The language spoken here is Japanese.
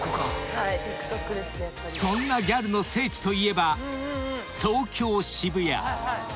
［そんなギャルの聖地といえば東京渋谷］